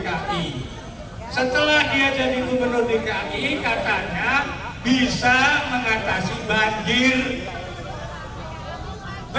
aku tahu ada satu orang yang exhale